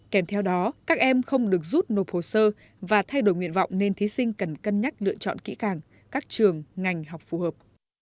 kèm theo đó các em không được rút nộp hồ sơ và thay đổi nguyện vọng nên thí sinh cần cân nhắc lựa chọn kỹ càng các trường ngành học phù hợp